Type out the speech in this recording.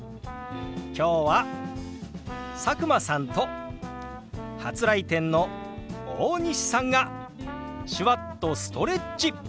今日は佐久間さんと初来店の大西さんが手話っとストレッチ！